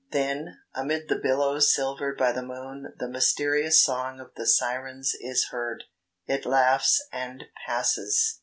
Then amid the billows silvered by the moon the mysterious song of the Sirens is heard; it laughs and passes."